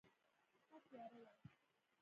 ښه تیاره وه.